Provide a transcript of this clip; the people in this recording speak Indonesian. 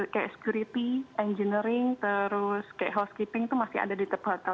kayak security engineering terus kayak housekeeping itu masih ada di tempat hotel